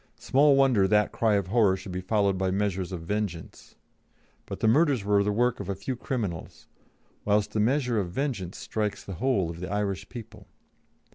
Small wonder that cry of horror should be followed by measures of vengeance; but the murders were the work of a few criminals, while the measure of vengeance strikes the whole of the Irish people.